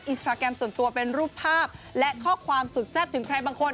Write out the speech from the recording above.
อินสตราแกรมส่วนตัวเป็นรูปภาพและข้อความสุดแซ่บถึงใครบางคน